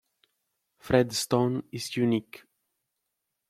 Fred Stone is unique.